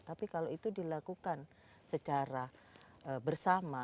tapi kalau itu dilakukan secara bersama